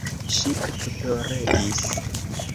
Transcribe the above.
Ŝi ekploregis.